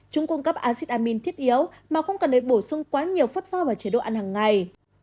chúng cung cấp acid amine thiết yếu mà không cần để bổ sung quá nhiều phốt pho vào chế độ ăn hằng ngày